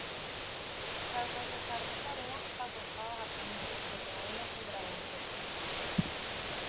Tras regresar de Corea pasó a trabajar como instructor de vuelo en Bryan, Texas.